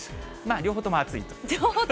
両方とも暑いと。